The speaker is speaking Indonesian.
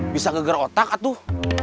bisa geger otak atuh